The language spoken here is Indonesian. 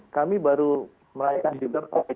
kami baru merayakan juga hari hari ini